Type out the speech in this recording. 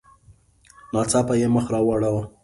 ناڅاپه یې مخ را واړاوه.